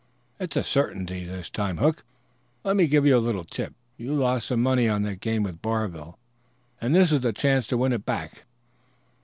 "It's a certainty this time, Hook. Let me give you a little tip. You lost some money on that game with Barville, and this is the chance to win it back.